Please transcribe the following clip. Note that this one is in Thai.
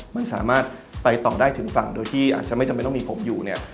มันสามารถไปต่อได้ถึงฝั่งโดยที่อาจจะไม่จำเป็นต้องมีผมอยู่เนี่ย